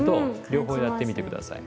両方やってみて下さい。